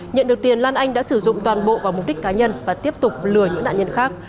nhận được tiền lan anh đã sử dụng toàn bộ vào mục đích cá nhân và tiếp tục lừa những nạn nhân khác